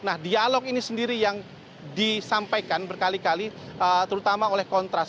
nah dialog ini sendiri yang disampaikan berkali kali terutama oleh kontras